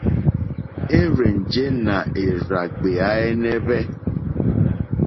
Érzènjé nà érzàɡbèáɛ́nɛ́hwɛ́.